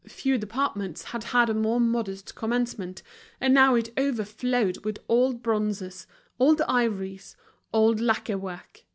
Few departments had had a more modest commencement, and now it overflowed with old bronzes, old ivories, old lacquer work.